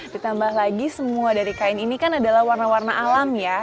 ditambah lagi semua dari kain ini kan adalah warna warna alam ya